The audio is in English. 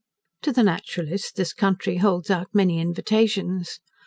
To the naturalist this country holds out many invitations.